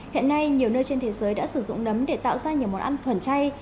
hiện nay nhiều nơi trên thế giới đã sử dụng nấm để tạo ra nhiều món ăn thuần chay